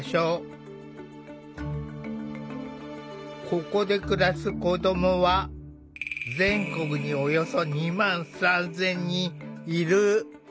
ここで暮らす子どもは全国におよそ２万３，０００人いる。